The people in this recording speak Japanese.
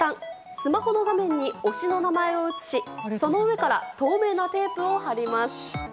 スマホの画面に推しの名前を映しその上から透明なテープを貼ります。